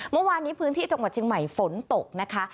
เมื่อวานนี้พื้นที่จังหวัดเชียงใหม่ฝนตกนะคะ